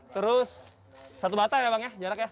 terus satu batang ya bang ya jaraknya